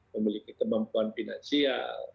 memiliki kemampuan finansial